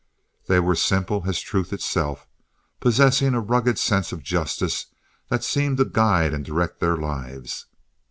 They were simple as truth itself, possessing a rugged sense of justice that seemed to guide and direct their lives.